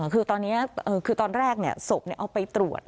คือตอนนี้คือตอนแรกศพเอาไปตรวจ